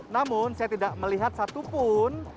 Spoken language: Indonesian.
namun saya tidak melihat satupun